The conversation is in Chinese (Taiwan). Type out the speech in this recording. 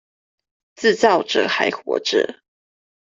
自造者還活著